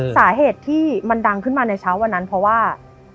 สาเหตุที่มันดังขึ้นมาในเช้าวันนั้นเพราะว่า